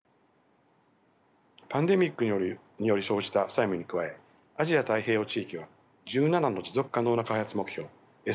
パンデミックにより生じた債務に加えアジア・太平洋地域は１７の持続可能な開発目標